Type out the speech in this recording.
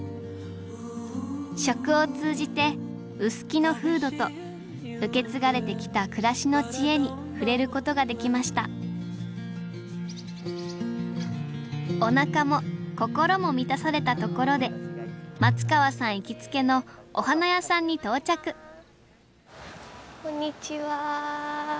食を通じて臼杵の風土と受け継がれてきた暮らしの知恵に触れることができましたおなかも心も満たされたところで松川さん行きつけのお花屋さんに到着こんにちは。